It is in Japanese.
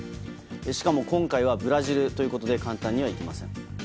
しかも今回はブラジルということで簡単にはいきません。